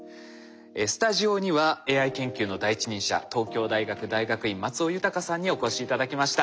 スタジオにはＡＩ研究の第一人者東京大学大学院松尾豊さんにお越し頂きました。